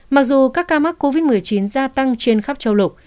mặc dù các ca mắc covid một mươi chín gia tăng trên khắp châu lục